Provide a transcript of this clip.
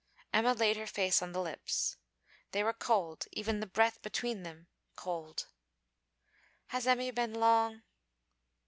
Emma laid her face on the lips. They were cold; even the breath between them cold. 'Has Emmy been long...?'